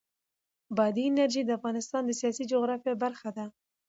بادي انرژي د افغانستان د سیاسي جغرافیه برخه ده.